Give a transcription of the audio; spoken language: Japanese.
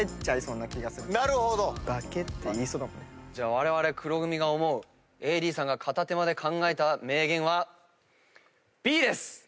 われわれ黒組が思うＡＤさんが片手間で考えた名言はＢです。